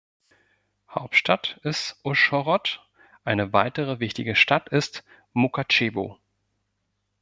Hauptstadt ist Uschhorod, eine weitere wichtige Stadt ist Mukatschewo.